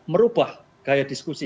merubah gaya diskusi